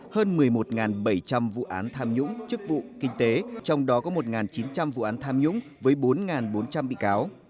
hơn một mươi một bảy trăm linh vụ án tham nhũng chức vụ kinh tế trong đó có một chín trăm linh vụ án tham nhũng với bốn bốn trăm linh bị cáo